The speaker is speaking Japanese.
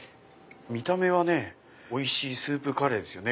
見た目はおいしいスープカレーですよね。